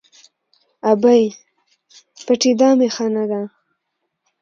– ابۍ! پټېدا مې ښه نه ده.